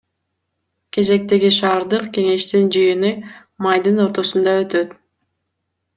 Кезектеги шаардык кеңештин жыйыны майдын ортосунда өтөт.